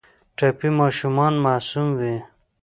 ټپي ماشومان معصوم وي.